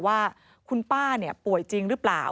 ว่าคุณป้าป่วยจริงหรือเปล่า